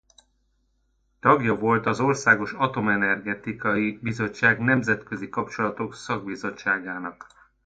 Tagja volt az Országos Atomenergia Bizottság Nemzetközi Kapcsolatok Szakbizottságának.